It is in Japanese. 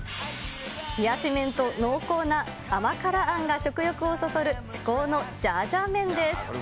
冷やし麺と濃厚な甘辛あんが食欲をそそる至高のジャージャー麺です。